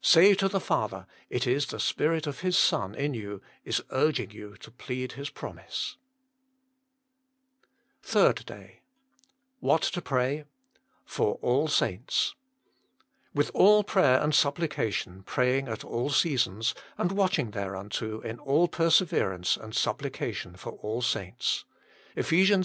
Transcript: Say to the Father, it is the Spirit of His Son in you is urging you to plead His promise. SPECIAL PKTIT10XS THE MINISTRY OF INTERCESSION THI RD DAY WHAT TO PRAY. Jor nil ntnls "With all prayer and supplication praying at all seasons, and watching thereunto in all perseverance and supplication for all saints." EPH. vi.